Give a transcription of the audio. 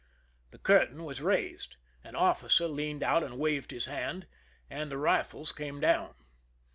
The curtain was raised ; an officer leaned out and waved his hand, and the rifles came down.